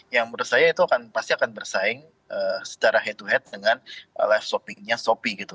yang menurut saya itu pasti akan bersaing secara head to head dengan live shoppingnya shopee gitu